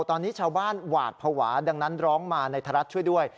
ตอนนี้ชาวบ้านหวาดภาวะดังนั้นร้องมาในไทยรัฐช่วยด้วย